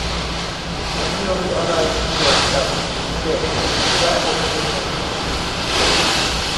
ฉันไม่รู้อะไรเกี่ยวกับเจ็กและหกเพนนี